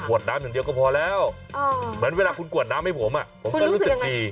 วดน้ำอย่างเดียวก็พอแล้วเหมือนเวลาคุณกวดน้ำให้ผมผมก็รู้สึกดี